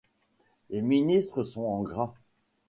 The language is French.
Les ministres sont en gras.